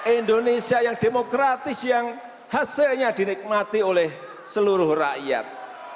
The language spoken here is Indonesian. indonesia yang demokratis yang hasilnya dinikmati oleh seluruh rakyat